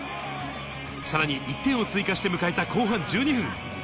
さらに１点を追加して迎えた後半１２分。